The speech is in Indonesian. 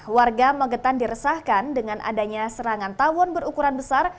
warga magetan diresahkan dengan adanya serangan tawon berukuran besar